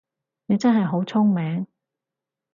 你真係好聰明